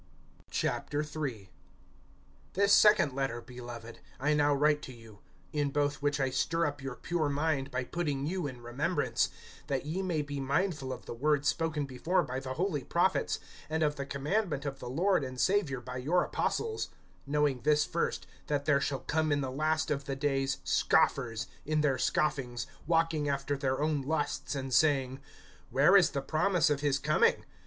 III. THIS second letter, beloved, I now write to you; in both which I stir up your pure mind by putting you in remembrance; (2)that ye may be mindful of the words spoken before by the holy prophets, and of the commandment of the Lord and Savior by your apostles; (3)knowing this first, that there shall come in the last of the days scoffers, in their scoffings, walking after their own lusts, (4)and saying: Where is the promise of his coming?